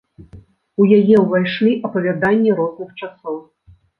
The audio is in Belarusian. У яе ўвайшлі апавяданні розных часоў.